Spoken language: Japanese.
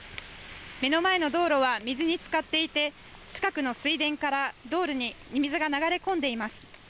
目の前の道路は水につかっていて近くの水田から道路に水が流れ込んでいます。